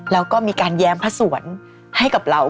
แล้วก็มีการแย้มพระสวนให้กับเรา